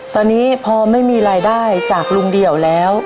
ตอนนี้พอไม่มีรายได้จากลุงเดี่ยวแล้ว